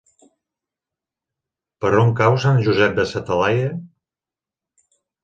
Per on cau Sant Josep de sa Talaia?